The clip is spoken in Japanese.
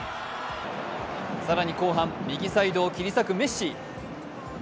更に後半、右サイドを切り裂くメッシ。